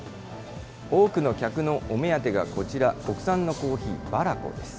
多くの客のお目当てがこちら、国産のコーヒー、バラコです。